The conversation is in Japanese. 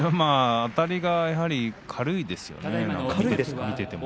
あたりが軽いですね。